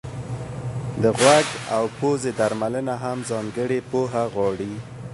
د غوږ او پزې درملنه هم ځانګړې پوهه غواړي.